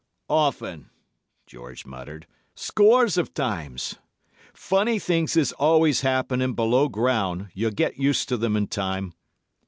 "'Often,' George muttered. 'Scores of times. Funny things is always happening below ground; you'll get used to them in time.